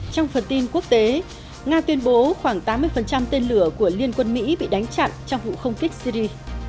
trong phần tin quốc tế nga tuyên bố khoảng tám mươi tên lửa của liên quân mỹ bị đánh chặn trong vụ không kích syri